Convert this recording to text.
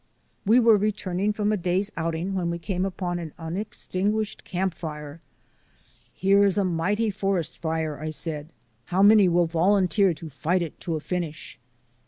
We were returning from a day's outing when we came upon an unextinguished camp fire. "Here is a mighty forest fire!" I said. "How many will volunteer to fight it to a finish?"